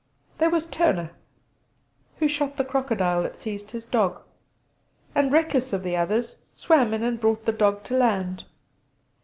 There was Turner, who shot the crocodile that seized his dog, and reckless of the others, swam in and brought the dog to land.